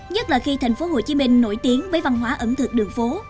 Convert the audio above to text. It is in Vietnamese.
nhất là khi thành phố hồ chí minh nổi tiếng với văn hóa ẩm thực đường phố